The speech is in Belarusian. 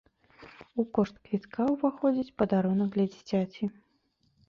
У кошт квітка уваходзіць падарунак для дзіцяці.